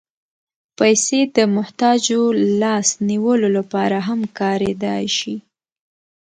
پېسې د محتاجو لاس نیولو لپاره هم کارېدای شي.